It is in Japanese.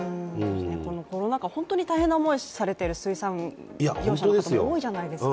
このコロナ禍、本当に大変な思いをされている水産業者の方々も多いじゃないですか。